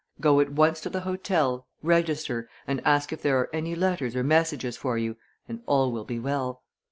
Go at once to the hotel, register, and ask if there are any letters or messages for you, and all will be well.